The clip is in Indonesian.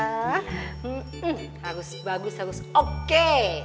harus bagus harus oke